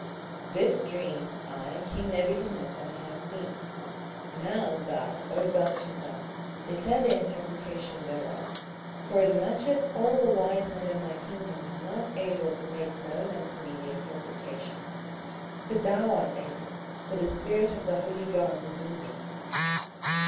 27:004:018 This dream I king Nebuchadnezzar have seen. Now thou, O Belteshazzar, declare the interpretation thereof, forasmuch as all the wise men of my kingdom are not able to make known unto me the interpretation: but thou art able; for the spirit of the holy gods is in thee.